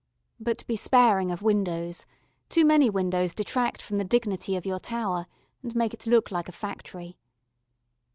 But be sparing of windows; too many windows detract from the dignity of your tower, and make it look like a factory.